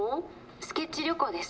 「スケッチ旅行です。